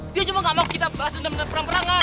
dia cuma gak mau kita bahas undang undang perang perangan